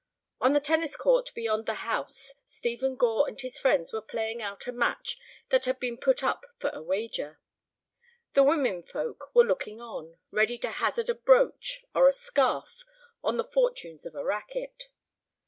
On the tennis court beyond the house Stephen Gore and his friends were playing out a match that had been put up for a wager. The women folk were looking on, ready to hazard a brooch or a scarf on the fortunes of a racquet.